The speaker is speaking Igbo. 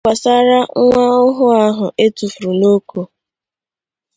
N'ihe gbasaara nwa ọhụụ ahụ a tụfùrù n'Oko